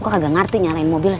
gue kagak ngerti nyalain mobil